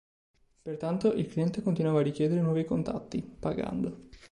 Pertanto, il cliente continuava a richiedere nuovi contatti, pagando.